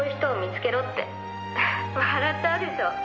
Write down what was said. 「笑っちゃうでしょ？